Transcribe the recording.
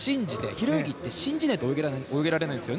平泳ぎって信じないと泳げないんですよ。